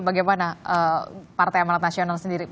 bagaimana partai amanat nasional sendiri